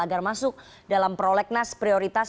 agar masuk dalam prolegnas prioritas dua ribu dua puluh